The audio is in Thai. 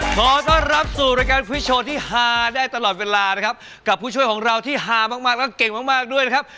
ขอต้อนรับสู่รายการฟิชโชว์ที่ฮาได้ตลอดเวลานะครับกับผู้ช่วยของเราที่ฮามากมากแล้วก็เก่งมากมากด้วยนะครับ